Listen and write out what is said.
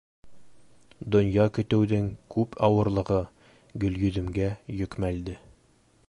Донъя көтөүҙең күп ауырлығы Гөлйөҙөмгә йөкмәлде.